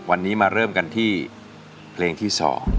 วันนี้มาเริ่มกันที่เพลงที่๒